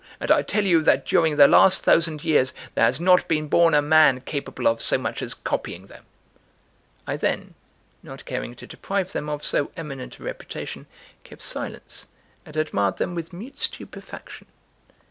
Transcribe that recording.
And I tell you that during the last thousand years there has not been born a man capable of so much as copying them." I then, not caring to deprive them of so eminent a reputation, kept silence, and admired them with mute stupefaction.